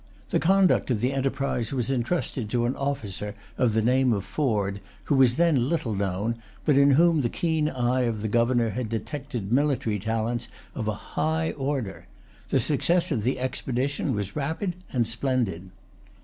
The conduct of the enterprise was intrusted to an officer of the name of Forde, who was then little known, but in whom the keen eye of the governor had detected military talents of a high order. The success of the expedition was rapid and splendid.